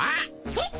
えっ？